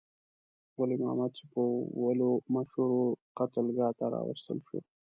ولی محمد چې په ولو مشهور وو، قتلګاه ته راوستل شو.